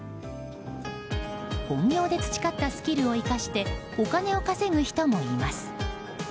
本業で培ったスキルを生かしてお金を稼ぐ人もいます。